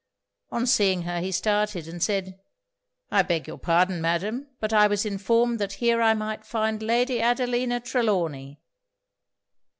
On seeing her, he started and said 'I beg your pardon, Madam but I was informed that here I might find Lady Adelina Trelawny.'